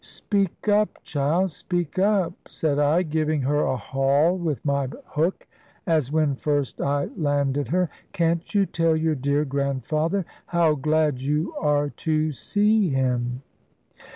"Speak up, child, speak up," said I, giving her a haul with my hook, as when first I landed her; "can't you tell your dear Grandfather how glad you are to see him?"